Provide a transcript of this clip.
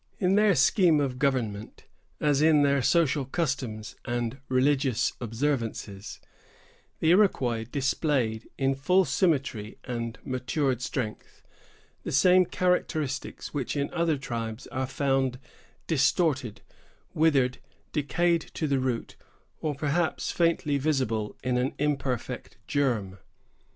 In their scheme of government, as in their social customs and religious observances, the Iroquois displayed, in full symmetry and matured strength, the same characteristics which in other tribes are found distorted, withered, decayed to the root, or, perhaps, faintly visible in an imperfect germ.